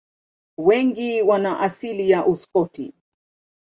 Wengi wana asili ya Uskoti.